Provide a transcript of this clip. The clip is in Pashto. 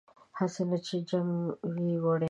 هسې نه چې جنګ وي وړی